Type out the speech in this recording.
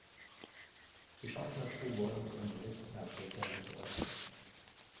Die Chancen dazu wurden von Juristen als sehr gering beurteilt.